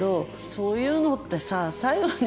そういうのってさ最後に。